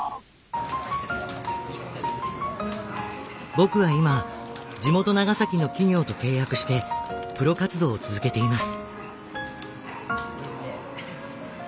僕は今地元長崎の企業と契約してプロ活動を続けています。